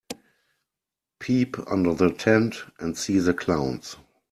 Peep under the tent and see the clowns.